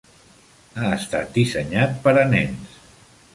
Ha estat dissenyat per a nens.